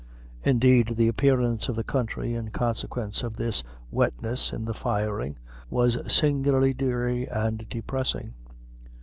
Indeed, the appearance of the country, in consequence of this wetness in the firing, was singularly dreary and depressing.